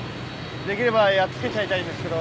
できればやっつけちゃいたいんですけど。